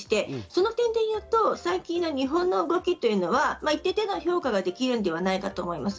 その点で言えば最近の日本の動きは一定程度の評価ができるのではないかと思います。